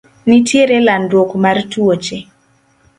Nitiere landruok mar tuoche.